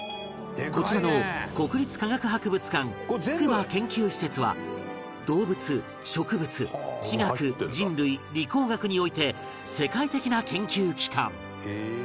こちらの国立科学博物館筑波研究施設は動物植物地学人類理工学において世界的な研究機関